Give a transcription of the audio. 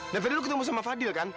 dan fadil ketemu sama fadil kan